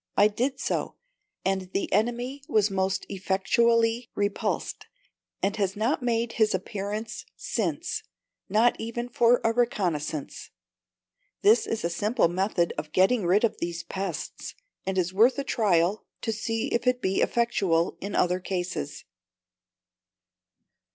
I did so, and the enemy was most effectually repulsed, and has not made his appearance since not even for a reconnaissance!" This is a simple method of getting rid of these pests, and is worth a trial to see if it be effectual in other cases.